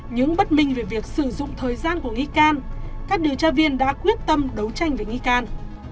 những bất minh về việc sử dụng thời gian của nghi can các điều tra viên đã quyết tâm đấu tranh với nghi can